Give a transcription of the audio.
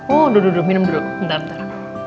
oh duduk dulu minum dulu bentar bentar